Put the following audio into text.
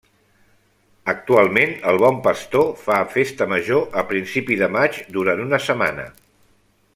Actualment el Bon Pastor fa festa major a principi de maig, durant una setmana.